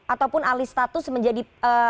ataupun alih status menjadi